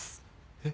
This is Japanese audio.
えっ？